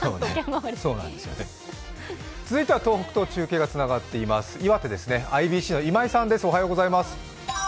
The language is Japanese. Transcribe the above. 続いては東北と中継がつながっていますＩＢＣの今井さんです。